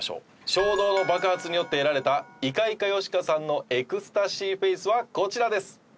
衝動の爆発によって得られたいかいかよしかさんのエクスタシーフェイスはこちらです。